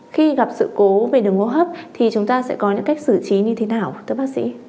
khi gặp sự cố về đường hô hấp thì chúng ta sẽ có những cách xử trí như thế nào thưa bác sĩ